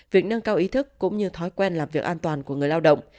việc nâng cao ý thức cũng như thói quen làm việc an toàn của người lao động